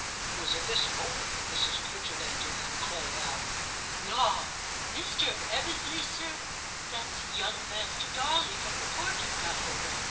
It was at this moment that Mrs. Quitchett entered, and called out —* Law, Mr. Ebbesley, sir, that's young Master Darley from the Court you've got hold of.'